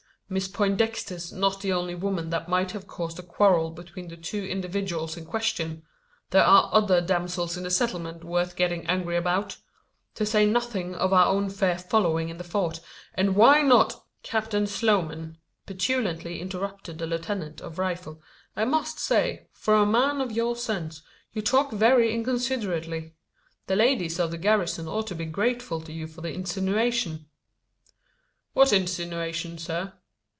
Miss Poindexter's not the only woman that might have caused a quarrel between the two individuals in question. There are other damsels in the settlement worth getting angry about to say nothing of our own fair following in the Fort; and why not " "Captain Sloman," petulantly interrupted the lieutenant of Rifles. "I must say that, for a man of your sense, you talk very inconsiderately. The ladies of the garrison ought to be grateful to you for the insinuation." "What insinuation, sir?"